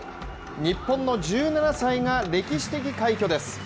日本の１７歳が歴史的快挙です。